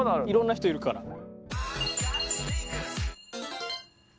いろんな人いるから。